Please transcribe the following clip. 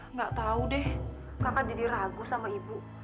nggak tahu deh kakak jadi ragu sama ibu